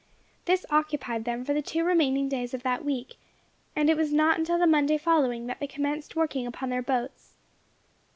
This occupied them for the two remaining days of that week, and it was not until the Monday following that they commenced working upon their boats.